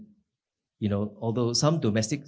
meskipun beberapa pengorbanan domestik